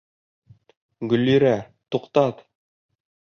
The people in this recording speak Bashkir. Гөллирә, туҡтат!